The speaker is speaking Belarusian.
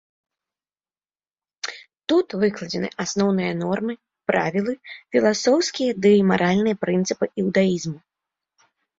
Тут выкладзены асноўныя нормы, правілы, філасофскія ды маральныя прынцыпы іўдаізму.